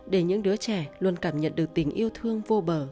để những đứa trẻ luôn cảm nhận được tình yêu thương vô bờ